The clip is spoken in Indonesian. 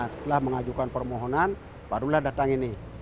setelah mengajukan permohonan barulah datang ini